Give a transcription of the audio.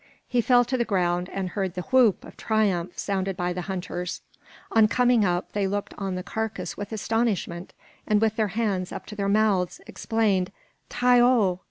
He fell to the ground, and heard the whoop of triumph sounded by the hunters. On coming up, they looked on the carcass with astonishment, and with their hands up to their mouths, exclaimed: "Ty au!